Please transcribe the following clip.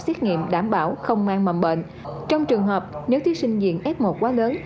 xét nghiệm đảm bảo không mang mầm bệnh trong trường hợp nếu thí sinh diện f một quá lớn